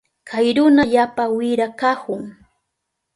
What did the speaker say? Kay runa yapa wira kahun.